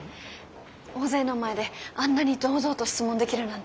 大勢の前であんなに堂々と質問できるなんて。